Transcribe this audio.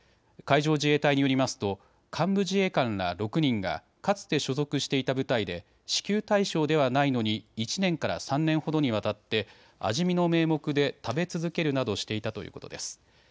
海上自衛隊によりますと幹部自衛官ら６人がかつて所属していた部隊で支給対象ではないのに１年から３年ほどにわたって味見の名目で食べ続けるなどしていたということです。